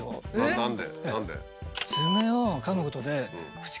何で？